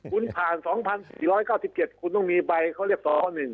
คุณผ่าน๒๔๙๗คุณต้องมีใบเขาเรียกต่อ๑